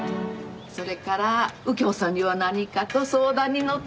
それから右京さんには何かと相談に乗って頂いてて。